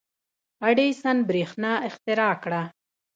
• اډېسن برېښنا اختراع کړه.